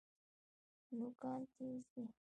نوکان تیز دي.